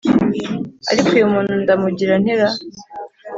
ariko uyu muntu ndamugira nte ra!